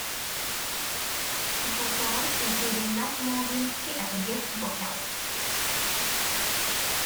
Supertones, including Matt Morginsky as a guest vocalist.